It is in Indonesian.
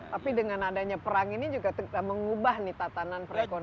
tapi dengan adanya perang ini juga mengubah nih tatanan perekonomian